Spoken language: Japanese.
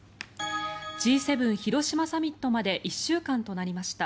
Ｇ７広島サミットまで１週間となりました。